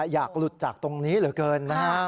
อยากหลุดจากตรงนี้เหลือเกินนะฮะ